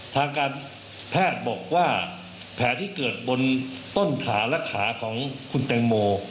ทางการแพทย์บอกว่าแผลที่เกิดบนต้นขาและขาของคุณแตงโม